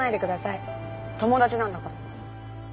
友達なんだから。